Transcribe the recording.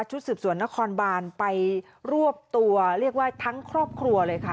ชุดสืบสวนนครบานไปรวบตัวเรียกว่าทั้งครอบครัวเลยค่ะ